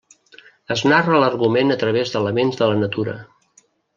Es narra l'argument a través d'elements de la natura.